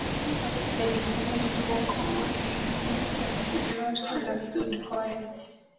This disorder is more common in males and it is not understood why.